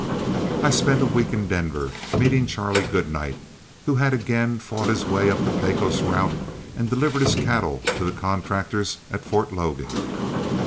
I spent a week in Denver, meeting Charlie Goodnight, who had again fought his way up the Pecos route and delivered his cattle to the contractors at Fort Logan.